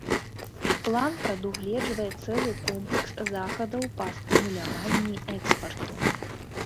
План прадугледжвае цэлы комплекс захадаў па стымуляванні экспарту.